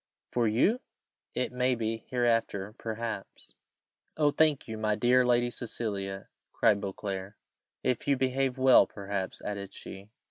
"For you? It may be, hereafter, perhaps." "Oh thank you, my dear Lady Cecilia!" cried Beauclerc. "If you behave well, perhaps," added she.